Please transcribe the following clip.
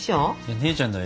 姉ちゃんだよ